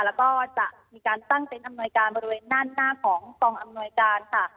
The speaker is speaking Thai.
แล้วก็จะมีการตั้งเต็นต์อำนวยการบริเวณด้านหน้าของกองอำนวยการค่ะ